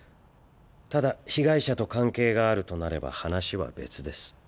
ただ被害者と関係があるとなれば話は別です。